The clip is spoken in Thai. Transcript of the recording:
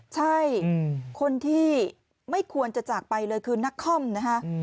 ใช่คนที่ไม่ควรจะจากไปเลยคือนักคอมนะฮะ